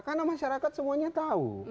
karena masyarakat semuanya tahu